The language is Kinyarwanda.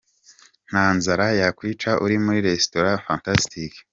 Nta nzara yakwica uri muri Resitora Fantastic.